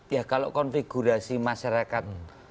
ya kalau konfigurasi masyarakat